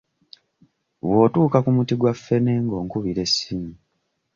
Bw'otuuka ku muti gwa ffene ng'onkubira essimu.